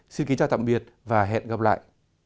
xin kính chào tạm biệt và hẹn gặp lại